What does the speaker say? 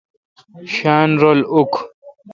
شاین رل اوک۔